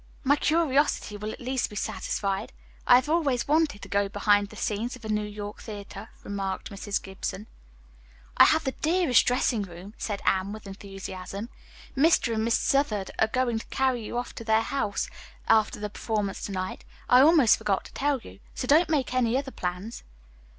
"My curiosity will at last be satisfied. I have always wanted to go behind the scenes of a New York theatre," remarked Mrs. Gibson. "I have the dearest dressing room," said Anne, with enthusiasm. "Mr. and Miss Southard are going to carry you off to their house after the performance to night. I almost forgot to tell you. So don't make any other plans."